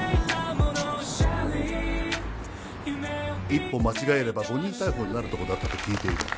一歩間違えれば誤認逮捕になるとこだったと聞いている。